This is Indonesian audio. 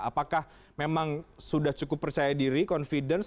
apakah memang sudah cukup percaya diri confidence